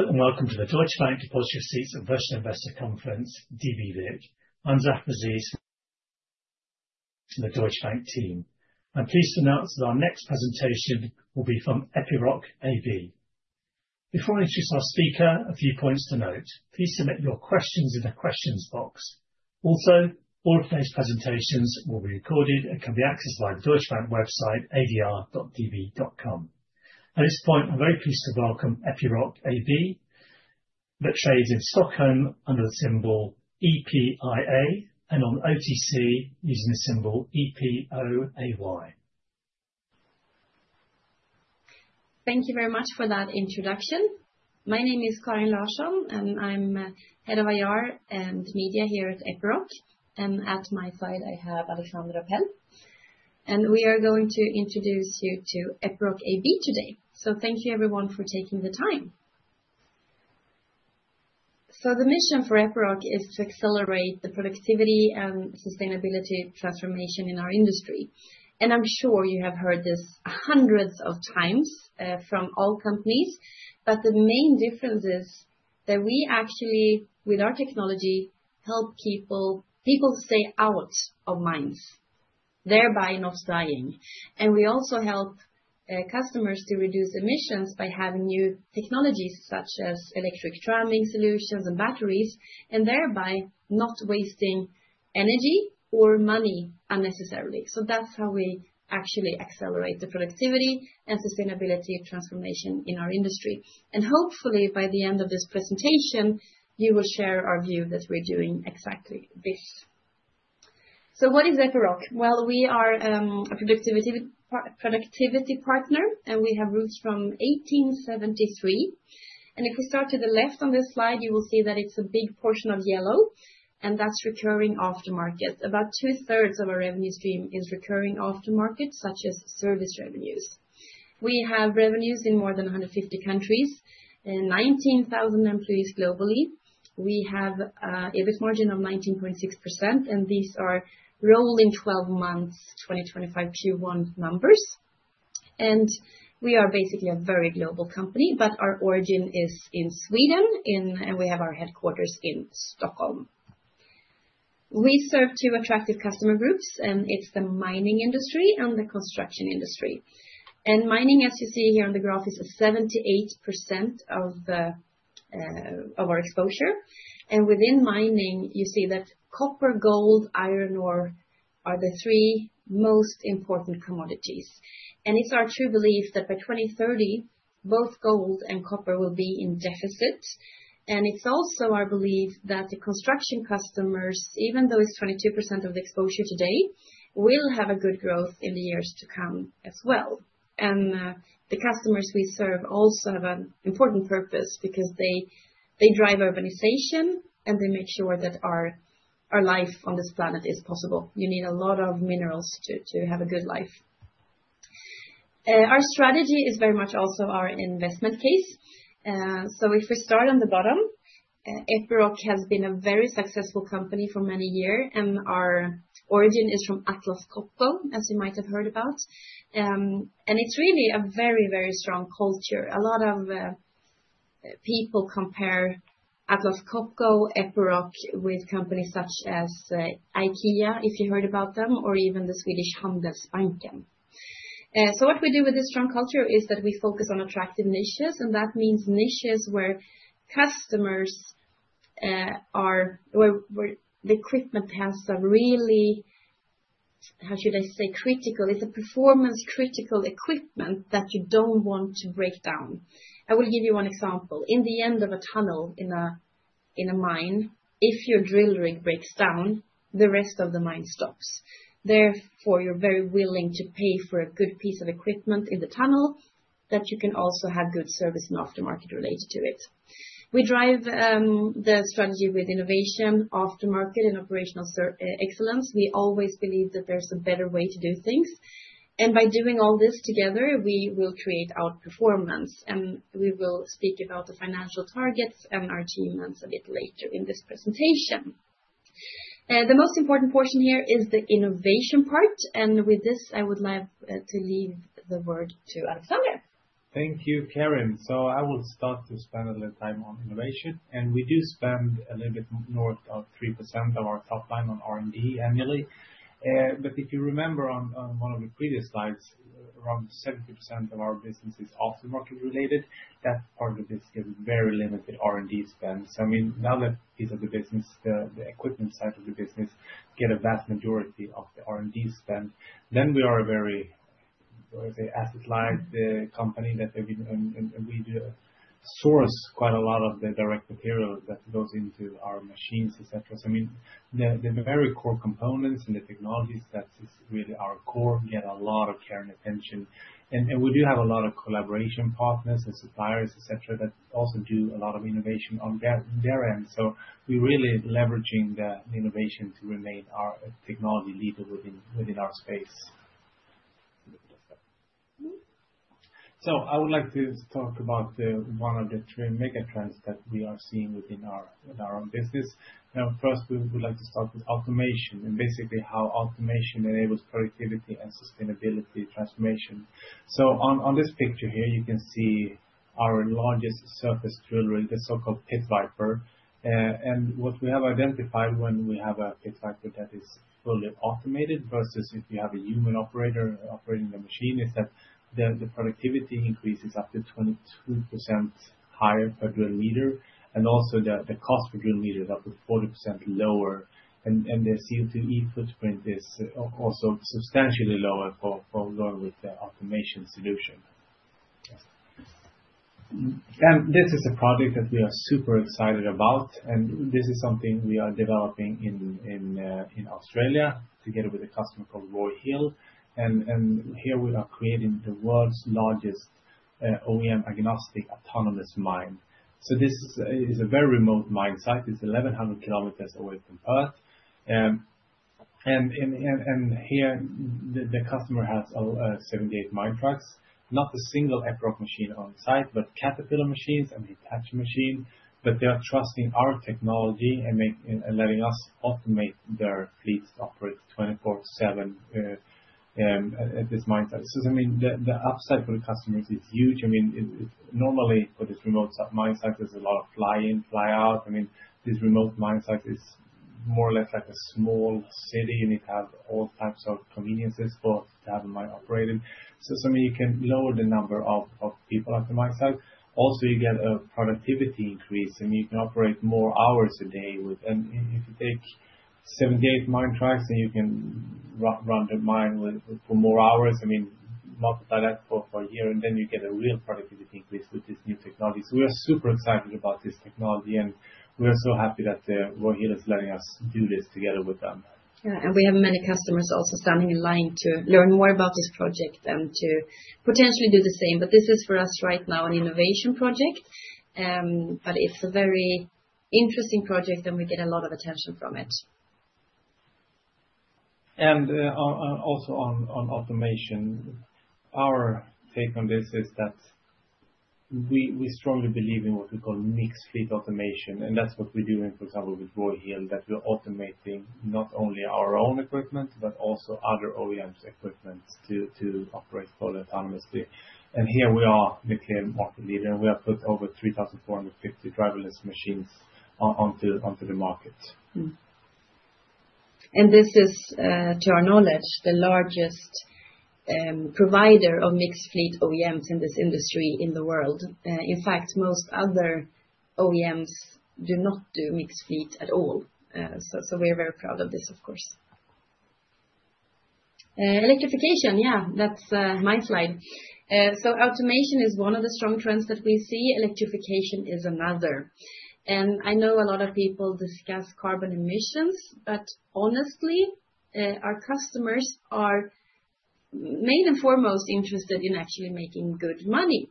Hello and welcome to the Deutsche Bank Deposit Receipts and Personal Investor Conference, DBV. I'm Zafar Aziz from the Deutsche Bank team. I'm pleased to announce that our next presentation will be from Epiroc AB. Before I introduce our speaker, a few points to note. Please submit your questions in the questions box. Also, all of today's presentations will be recorded and can be accessed via the Deutsche Bank website, adr.db.com. At this point, I'm very pleased to welcome Epiroc AB that trades in Stockholm under the symbol EPIA and on the OTC using the symbol EPOAY. Thank you very much for that introduction. My name is Karin Larsson, and I'm Head of IR and Media here at Epiroc. At my side, I have Alexandra Apell. We are going to introduce you to Epiroc AB today. Thank you, everyone, for taking the time. The mission for Epiroc is to accelerate the productivity and sustainability transformation in our industry. I'm sure you have heard this hundreds of times from all companies, but the main difference is that we actually, with our technology, help people stay out of mines, thereby not dying. We also help customers to reduce emissions by having new technologies such as electric tramming solutions and batteries, and thereby not wasting energy or money unnecessarily. That is how we actually accelerate the productivity and sustainability transformation in our industry. Hopefully, by the end of this presentation, you will share our view that we're doing exactly this. What is Epiroc? We are a productivity partner, and we have roots from 1873. If we start to the left on this slide, you will see that it's a big portion of yellow, and that's recurring aftermarket. About two-thirds of our revenue stream is recurring aftermarket, such as service revenues. We have revenues in more than 150 countries, 19,000 employees globally. We have an EBIT margin of 19.6%, and these are rolling 12-month 2025 Q1 numbers. We are basically a very global company, but our origin is in Sweden, and we have our headquarters in Stockholm. We serve two attractive customer groups, and it's the mining industry and the construction industry. Mining, as you see here on the graph, is 78% of our exposure. Within mining, you see that copper, gold, and iron ore are the three most important commodities. It is our true belief that by 2030, both gold and copper will be in deficit. It is also our belief that the construction customers, even though it is 22% of the exposure today, will have good growth in the years to come as well. The customers we serve also have an important purpose because they drive urbanization, and they make sure that our life on this planet is possible. You need a lot of minerals to have a good life. Our strategy is very much also our investment case. If we start on the bottom, Epiroc has been a very successful company for many years, and our origin is from Atlas Copco, as you might have heard about. It is really a very, very strong culture. A lot of people compare Atlas Copco, Epiroc, with companies such as IKEA, if you heard about them, or even the Swedish Handelsbanken. What we do with this strong culture is that we focus on attractive niches, and that means niches where customers are, where the equipment has a really, how should I say, critical. It is performance-critical equipment that you do not want to break down. I will give you one example. In the end of a tunnel in a mine, if your drill rig breaks down, the rest of the mine stops. Therefore, you are very willing to pay for a good piece of equipment in the tunnel that you can also have good service and aftermarket related to it. We drive the strategy with innovation, aftermarket, and operational excellence. We always believe that there is a better way to do things. By doing all this together, we will create out-performance. We will speak about the financial targets and our achievements a bit later in this presentation. The most important portion here is the innovation part. With this, I would like to leave the word to Alexandra. Thank you, Karin. I will start to spend a little time on innovation. We do spend a little bit north of 3% of our top line on R&D annually. If you remember on one of the previous slides, around 70% of our business is aftermarket related. That part of the business gets very limited R&D spend. I mean, that piece of the business, the equipment side of the business, gets a vast majority of the R&D spend. We are a very, I would say, asset-lagged company that we do source quite a lot of the direct material that goes into our machines, etc. The very core components and the technologies that is really our core get a lot of care and attention. We do have a lot of collaboration partners and suppliers, etc., that also do a lot of innovation on their end. We are really leveraging the innovation to remain our technology leader within our space. I would like to talk about one of the three mega trends that we are seeing within our own business. First, we would like to start with automation and basically how automation enables productivity and sustainability transformation. On this picture here, you can see our largest surface drill rig, the so-called Pit Viper. What we have identified when we have a Pit Viper that is fully automated versus if you have a human operator operating the machine is that the productivity increases up to 22% higher per drill meter, and also the cost per drill meter is up to 40% lower. The CO2e footprint is also substantially lower for going with the automation solution. This is a project that we are super excited about. This is something we are developing in Australia together with a customer called Roy Hill. Here we are creating the world's largest OEM-agnostic autonomous mine. This is a very remote mine site. It is 1,100 km away from Perth. Here, the customer has 78 mine trucks, not a single Epiroc machine on site, but Caterpillar machines and Hitachi machines. They are trusting our technology and letting us automate their fleets to operate 24/7 at this mine site. I mean, the upside for the customers is huge. Normally for this remote mine site, there is a lot of fly-in, fly-out. I mean, this remote mine site is more or less like a small city, and it has all types of conveniences for the miner operating. I mean, you can lower the number of people at the mine site. Also, you get a productivity increase. I mean, you can operate more hours a day. If you take 78 mine trucks and you can run the mine for more hours, I mean, multiply that for a year, and then you get a real productivity increase with this new technology. We are super excited about this technology, and we are so happy that Roy Hill is letting us do this together with them. Yeah, and we have many customers also standing in line to learn more about this project and to potentially do the same. This is for us right now an innovation project. It is a very interesting project, and we get a lot of attention from it. Also on automation, our take on this is that we strongly believe in what we call mixed fleet automation. That is what we are doing, for example, with Roy Hill, where we are automating not only our own equipment, but also other OEMs' equipment to operate fully autonomously. Here we are the clear market leader, and we have put over 3,450 driverless machines onto the market. This is, to our knowledge, the largest provider of mixed fleet OEMs in this industry in the world. In fact, most other OEMs do not do mixed fleet at all. We are very proud of this, of course. Electrification, yeah, that is my slide. Automation is one of the strong trends that we see. Electrification is another. I know a lot of people discuss carbon emissions, but honestly, our customers are main and foremost interested in actually making good money.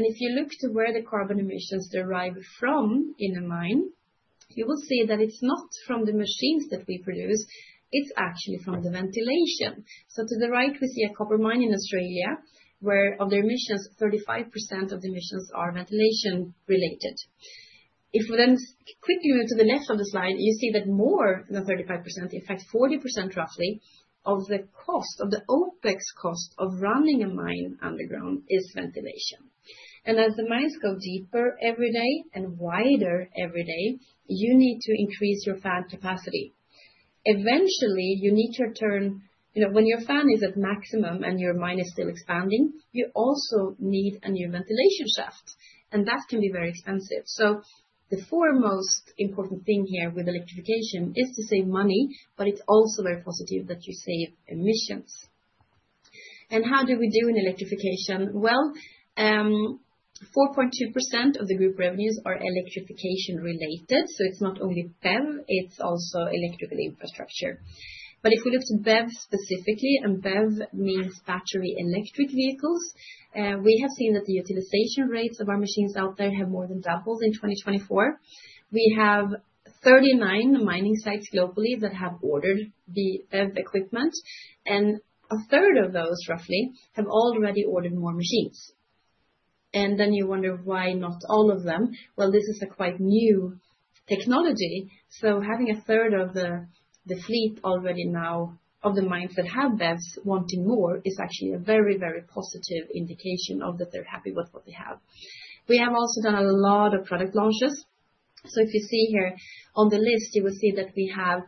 If you look to where the carbon emissions derive from in a mine, you will see that it is not from the machines that we produce. It is actually from the ventilation. To the right, we see a copper mine in Australia where, of their emissions, 35% of the emissions are ventilation-related. If we then quickly move to the left of the slide, you see that more than 35%, in fact, 40% roughly, of the cost, of the OpEx cost of running a mine underground is ventilation. As the mines go deeper every day and wider every day, you need to increase your fan capacity. Eventually, you need to return, you know, when your fan is at maximum and your mine is still expanding, you also need a new ventilation shaft. That can be very expensive. The foremost important thing here with electrification is to save money, but it is also very positive that you save emissions. How do we do in electrification? 4.2% of the group revenues are electrification-related. It is not only BEV, it is also electrical infrastructure. If we look to BEV specifically, and BEV means battery electric vehicles, we have seen that the utilization rates of our machines out there have more than doubled in 2024. We have 39 mining sites globally that have ordered BEV equipment, and a third of those roughly have already ordered more machines. You wonder why not all of them. This is a quite new technology. Having a third of the fleet already now of the mines that have BEVs wanting more is actually a very, very positive indication that they're happy with what they have. We have also done a lot of product launches. If you see here on the list, you will see that we have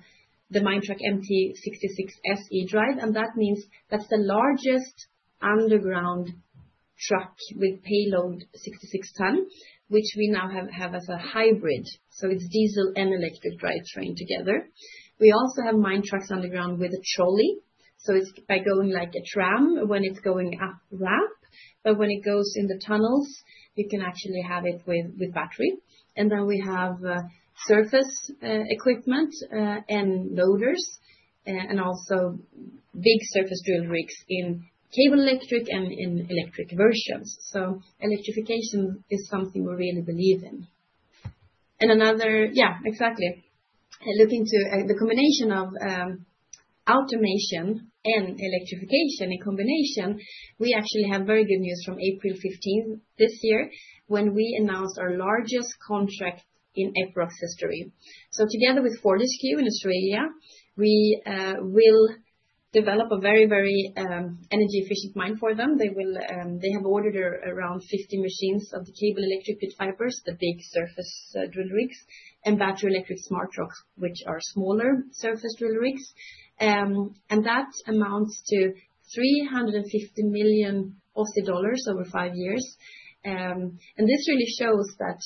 the Minetruck MT66 S eDrive, and that means that's the largest underground truck with payload 66 ton, which we now have as a hybrid. It is diesel and electric drivetrain together. We also have Minetrucks underground with a trolley. It is by going like a tram when it is going up ramp, but when it goes in the tunnels, you can actually have it with battery. We have surface equipment and loaders and also big surface drill rigs in cable electric and in electric versions. Electrification is something we really believe in. Another, yeah, exactly. Looking to the combination of automation and electrification in combination, we actually have very good news from April 15 this year when we announced our largest contract in Epiroc's history. Together with Fortescue in Australia, we will develop a very, very energy-efficient mine for them. They have ordered around 50 machines of the cable electric Pit Vipers, the big surface drill rigs, and battery electric Smart Trucks, which are smaller surface drill rigs. That amounts to 350 million Aussie dollars over five years. This really shows that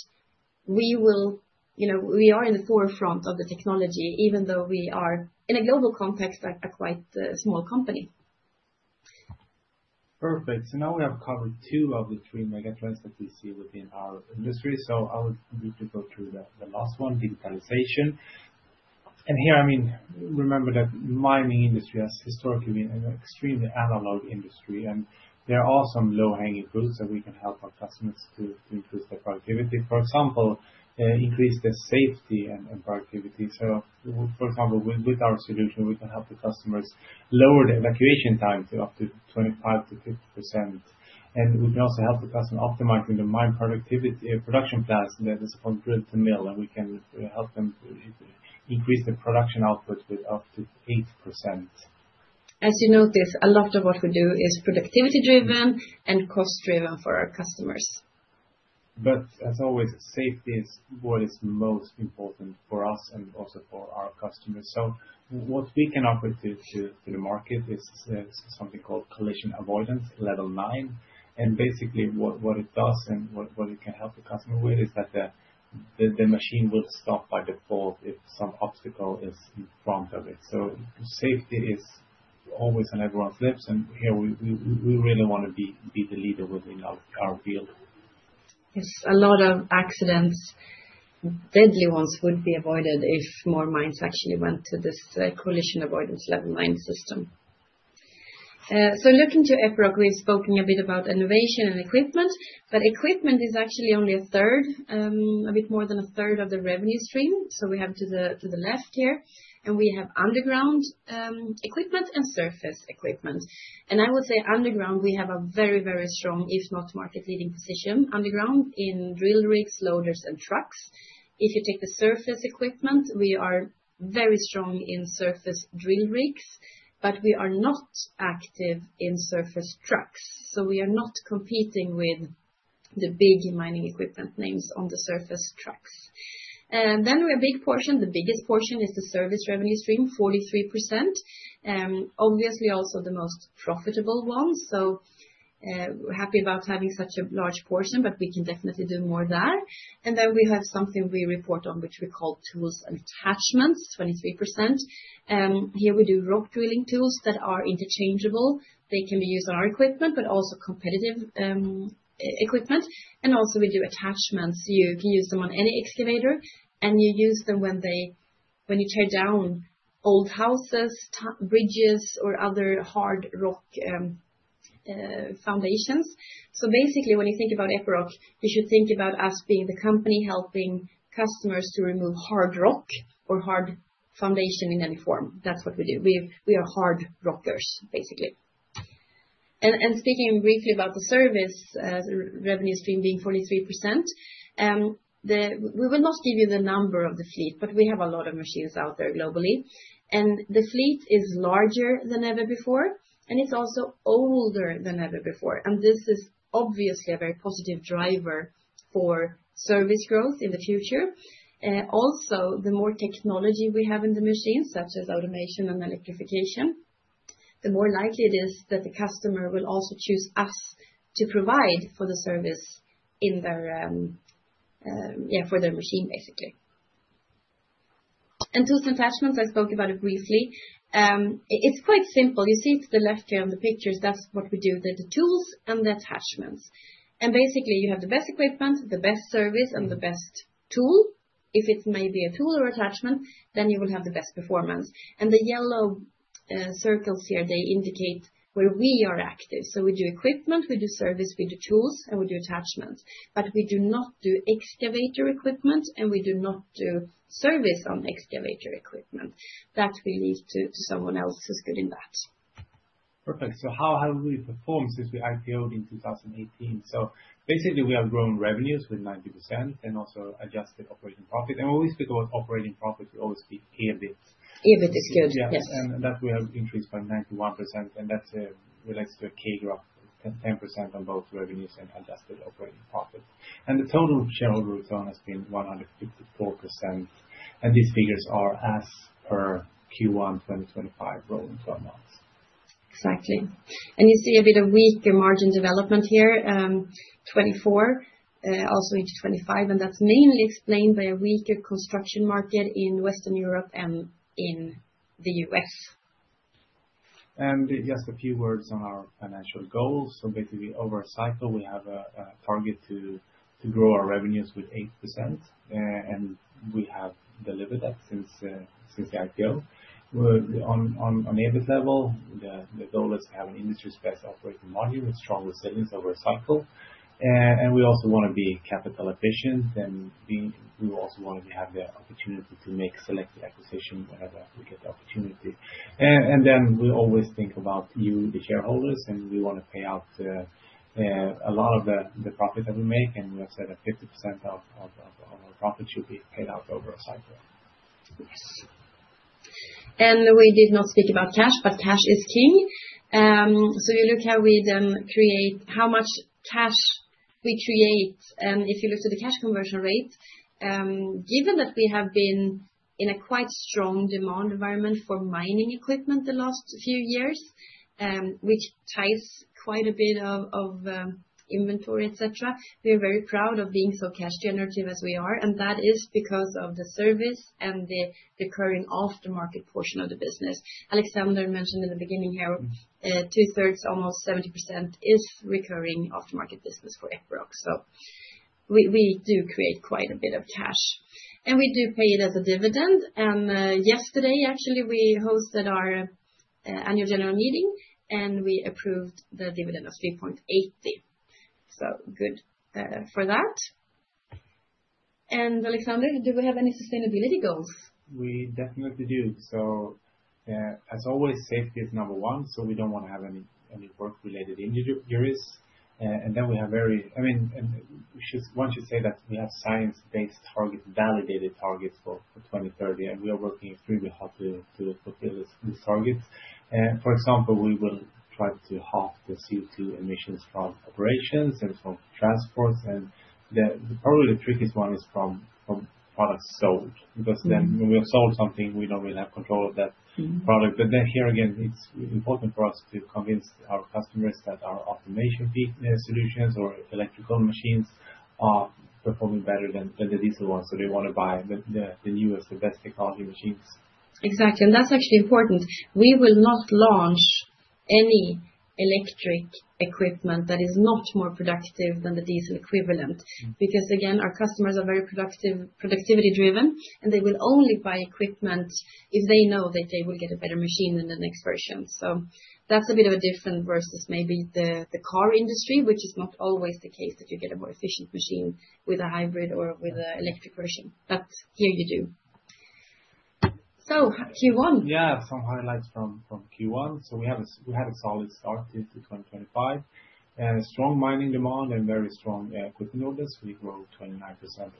we will, you know, we are in the forefront of the technology, even though we are in a global context a quite small company. Perfect. Now we have covered two of the three mega trends that we see within our industry. I would need to go through the last one, digitalization. Here, I mean, remember that mining industry has historically been an extremely analog industry, and there are some low-hanging fruits that we can help our customers to increase their productivity. For example, increase their safety and productivity. For example, with our solution, we can help the customers lower the evacuation time by up to 25%-50%. We can also help the customer optimize their mine productivity production plans that is from drill to mill, and we can help them increase their production output by up to 8%. As you notice, a lot of what we do is productivity-driven and cost-driven for our customers. As always, safety is what is most important for us and also for our customers. What we can offer to the market is something called collision avoidance, level nine. Basically what it does and what it can help the customer with is that the machine will stop by default if some obstacle is in front of it. Safety is always on everyone's lips, and here we really want to be the leader within our field. Yes, a lot of accidents, deadly ones, would be avoided if more mines actually went to this collision avoidance level nine system. Looking to Epiroc, we've spoken a bit about innovation and equipment, but equipment is actually only a third, a bit more than a third of the revenue stream. We have to the left here, and we have underground equipment and surface equipment. I would say underground, we have a very, very strong, if not market-leading position, underground in drill rigs, loaders, and trucks. If you take the surface equipment, we are very strong in surface drill rigs, but we are not active in surface trucks. We are not competing with the big mining equipment names on the surface trucks. We have a big portion. The biggest portion is the service revenue stream, 43%, obviously also the most profitable one. We're happy about having such a large portion, but we can definitely do more there. We have something we report on, which we call tools and attachments, 23%. Here we do rock drilling tools that are interchangeable. They can be used on our equipment, but also competitive equipment. We also do attachments. You can use them on any excavator, and you use them when you tear down old houses, bridges, or other hard rock foundations. Basically, when you think about Epiroc, you should think about us being the company helping customers to remove hard rock or hard foundation in any form. That's what we do. We are hard rockers, basically. Speaking briefly about the service revenue stream being 43%, we will not give you the number of the fleet, but we have a lot of machines out there globally. The fleet is larger than ever before, and it is also older than ever before. This is obviously a very positive driver for service growth in the future. Also, the more technology we have in the machines, such as automation and electrification, the more likely it is that the customer will also choose us to provide for the service in their, yeah, for their machine, basically. Tools and attachments, I spoke about it briefly. It is quite simple. You see to the left here on the pictures, that is what we do, the tools and the attachments. Basically, you have the best equipment, the best service, and the best tool. If it is maybe a tool or attachment, then you will have the best performance. The yellow circles here indicate where we are active. We do equipment, we do service, we do tools, and we do attachments. We do not do excavator equipment, and we do not do service on excavator equipment. That we leave to someone else who's good in that. Perfect. How have we performed since we IPO'd in 2018? Basically, we have grown revenues with 90% and also adjusted operating profit. When we speak about operating profit, we always speak EBIT. EBIT is good, yes. Yes, and that we have increased by 91%, and that relates to a K graph, 10% on both revenues and adjusted operating profit. The total shareholder return has been 154%. These figures are as per Q1 2025 rolling 12 months. Exactly. You see a bit of weaker margin development here, 2024, also into 2025, and that's mainly explained by a weaker construction market in Western Europe and in the U.S.. Just a few words on our financial goals. Basically, over a cycle, we have a target to grow our revenues with 8%, and we have delivered that since the IPO. On EBIT level, the goal is to have an industry-special operating margin with strong resilience over a cycle. We also want to be capital efficient, and we also want to have the opportunity to make selective acquisition whenever we get the opportunity. We always think about you, the shareholders, and we want to pay out a lot of the profit that we make, and we have said that 50% of our profit should be paid out over a cycle. Yes. We did not speak about cash, but cash is king. You look how we then create, how much cash we create. If you look to the cash conversion rate, given that we have been in a quite strong demand environment for mining equipment the last few years, which ties quite a bit of inventory, et cetera, we are very proud of being so cash generative as we are, and that is because of the service and the recurring aftermarket portion of the business. Alexander mentioned in the beginning here, two-thirds, almost 70%, is recurring aftermarket business for Epiroc. We do create quite a bit of cash. We do pay it as a dividend. Yesterday, actually, we hosted our annual general meeting, and we approved the dividend of 3.80. Good for that. Alexander, do we have any sustainability goals? We definitely do. As always, safety is number one, so we do not want to have any work-related injuries. We have, I mean, we should, once you say that, we have science-based targets, validated targets for 2030, and we are working extremely hard to fulfill these targets. For example, we will try to halve the CO2 emissions from operations and from transports. Probably the trickiest one is from products sold, because when we have sold something, we do not really have control of that product. Here again, it is important for us to convince our customers that our automation solutions or electrical machines are performing better than the diesel ones. They want to buy the newest, the best technology machines. Exactly. That is actually important. We will not launch any electric equipment that is not more productive than the diesel equivalent, because again, our customers are very productivity-driven, and they will only buy equipment if they know that they will get a better machine in the next version. That is a bit of a difference versus maybe the car industry, which is not always the case that you get a more efficient machine with a hybrid or with an electric version. Here you do. Q1? Yeah, some highlights from Q1. We had a solid start into 2025. Strong mining demand and very strong equipment orders. We grow 29%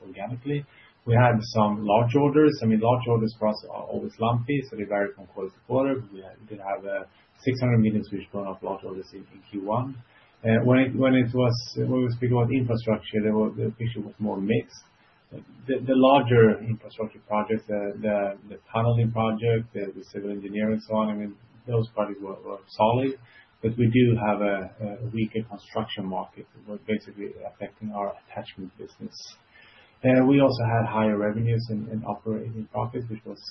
organically. We had some large orders. I mean, large orders for us are always lumpy, so they vary from quarter to quarter. We did have 600 million which burned off large orders in Q1. When it was, when we speak about infrastructure, the picture was more mixed. The larger infrastructure projects, the tunneling project, the civil engineering, so on, I mean, those projects were solid, but we do have a weaker construction market. We're basically affecting our attachment business. We also had higher revenues and operating profits, which was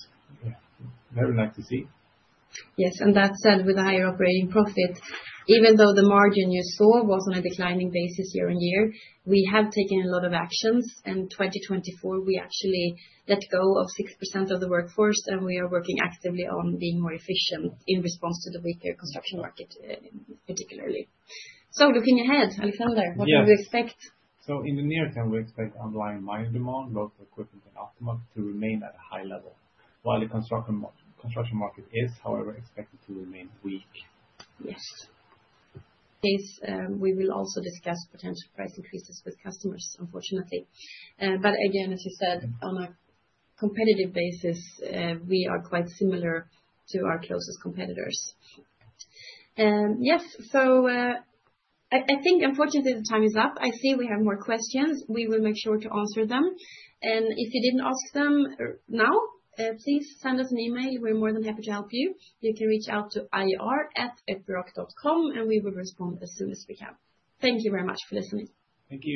very nice to see. Yes. That said, with a higher operating profit, even though the margin you saw was on a declining basis year on year, we have taken a lot of actions. In 2024, we actually let go of 6% of the workforce, and we are working actively on being more efficient in response to the weaker construction market, particularly. Looking ahead, Alexander, what do we expect? In the near term, we expect underlying mining demand, both equipment and aftermarket, to remain at a high level, while the construction market is, however, expected to remain weak. Yes. Case, we will also discuss potential price increases with customers, unfortunately. Again, as you said, on a competitive basis, we are quite similar to our closest competitors. Yes. I think, unfortunately, the time is up. I see we have more questions. We will make sure to answer them. If you did not ask them now, please send us an email. We are more than happy to help you. You can reach out to ir@epiroc.com, and we will respond as soon as we can. Thank you very much for listening. Thank you.